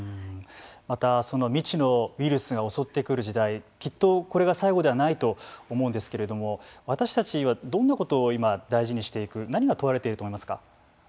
また未知のウイルスが襲ってくる時代きっとこれが最後ではないと思うんですけれども私たちはどんなことを今大事にしていく何が問われていると思いますか。